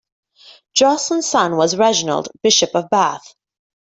Josceline's son was Reginald, bishop of Bath.